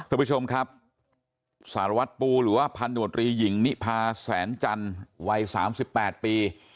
ทุกผู้ชมครับสารวัตรปูหรือว่าพันธวตรีหญิงนิพาแสนจันทร์วัย๓๘ปี